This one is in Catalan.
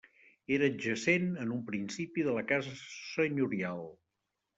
Era adjacent en un principi de la casa senyorial.